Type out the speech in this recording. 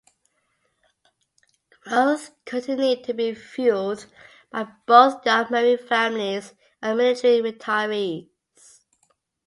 Growth continued to be fueled by both young Marine families and military retirees.